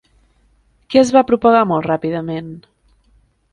Què es va propagar molt ràpidament?